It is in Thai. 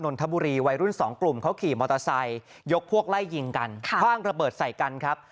นทบุรีวัยรุ่นสองกลุ่มเขาขี่มอเตอร์ไซค์ยกพวกไล่ยิงกันคว่างระเบิดใส่กันครับ